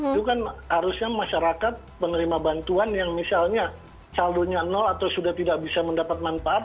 itu kan harusnya masyarakat penerima bantuan yang misalnya saldonya nol atau sudah tidak bisa mendapat manfaat